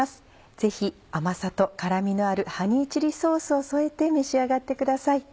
ぜひ甘さと辛みのあるハニーチリソースを添えて召し上がってください。